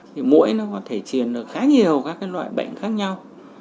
bệnh truyền được khá nhiều các loại bệnh khác nhau